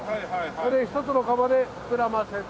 これ１つの釜で膨らませて。